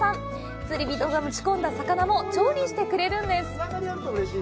釣り人が持ち込んだ魚も調理してくれるんです。